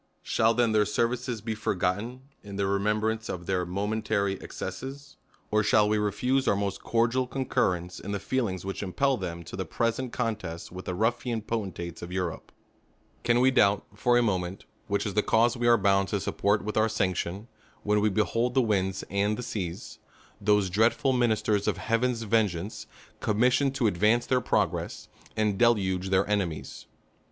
Shall then their services be forgotten, in the remem brance of their momentary excesses ? or shall, we re fuse our most cordial concurrence in the feelings v/hich impel them to the present contest v/ith the rulHan po . rentates of Europe ? Can 236 THE COLUMBIAN ORATOR. Can we doubt, for a moment, which is the cause we " are bound to support with our sanction, when we behold the winds and the seas, those dreadful ministers of Hea ven's vengeance, commissioned to advance their pro gress, and deluge their enemies